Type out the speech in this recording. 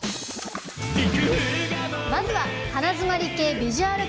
まずは鼻詰まり系ビジュアル